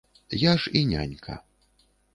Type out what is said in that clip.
Я ж і нянька.